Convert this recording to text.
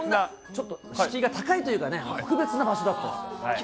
ちょっと敷居が高いというか、特別な場所だと。